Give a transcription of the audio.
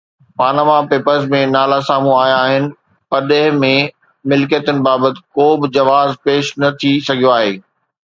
Panama Papers ۾ نالا سامهون آيا آهن، پرڏيهه ۾ ملڪيتن بابت ڪو به جواز پيش نه ٿي سگهيو آهي.